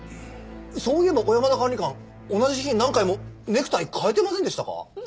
そういえば小山田管理官同じ日に何回もネクタイ変えてませんでしたか？